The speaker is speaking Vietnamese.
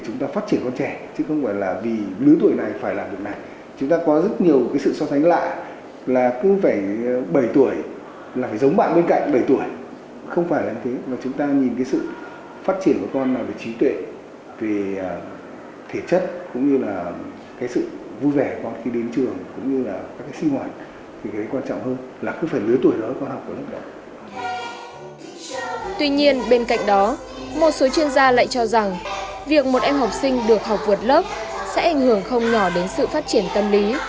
chúng ta lại cho rằng việc một em học sinh được học vượt lớp sẽ ảnh hưởng không nhỏ đến sự phát triển tâm lý